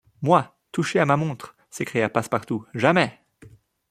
Moi! toucher à ma montre ! s’écria Passepartout, jamais !